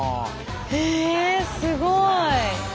へえすごい！